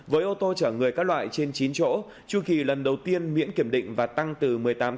với ô tô chở người các loại trên chín chỗ chu kỳ lần đầu tiên miễn kiểm định và tăng từ một mươi tám tháng lên hai mươi bốn tháng